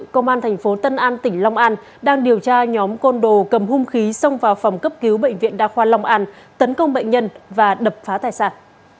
công an thành phố tân an tỉnh long an đang điều tra nhóm côn đồ cầm hung khí xông vào phòng cấp cứu bệnh viện đa khoa long an tấn công bệnh nhân và đập phá tài sản